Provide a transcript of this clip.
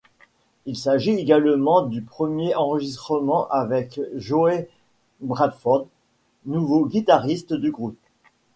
Il s'agit également du premier enregistrement avec Joey Bradford, nouveau guitariste du groupe.